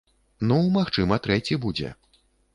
Ну, магчыма трэці будзе.